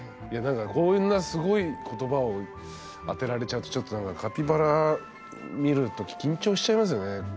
いや何かこんなすごい言葉を当てられちゃうとちょっと何かカピバラ見る時緊張しちゃいますよね。